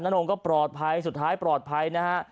นงก็ปลอดภัยสุดท้ายปลอดภัยนะฮะ